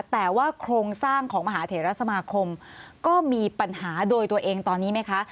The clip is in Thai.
แต่ว่าโครงสร้างของมหาเถระสมาคมก็มีปัญหาโดยตัวเองตอนนี้ไหมคะ